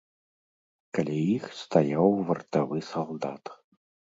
Каля іх стаяў вартавы салдат.